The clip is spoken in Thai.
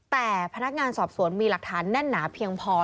แต่พนักงานสอบสวนมีหลักฐานแน่นหนาเพียงพอ